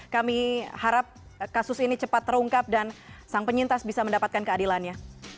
kami harap kasus ini cepat terungkap dan sang penyintas bisa mendapatkan keadilannya